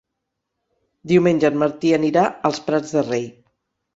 Diumenge en Martí anirà als Prats de Rei.